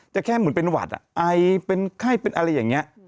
แค่เหมือนเป็นหวัดไอเป็นไข้เป็นอะไรอย่างนี้